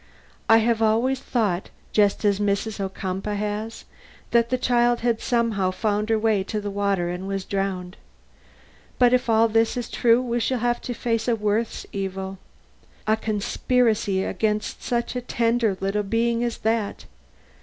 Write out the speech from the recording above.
"I have always thought, just as Mrs. Ocumpaugh has, that the child had somehow found her way to the water and was drowned. But if all this is true we shall have to face a worse evil. A conspiracy against such a tender little being as that!